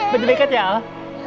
berdebeket ya al